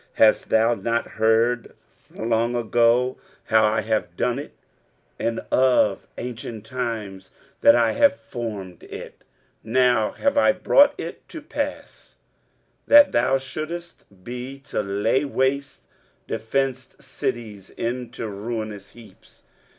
23:037:026 Hast thou not heard long ago, how I have done it; and of ancient times, that I have formed it? now have I brought it to pass, that thou shouldest be to lay waste defenced cities into ruinous heaps.